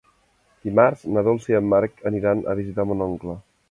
Dimarts na Dolça i en Marc aniran a visitar mon oncle.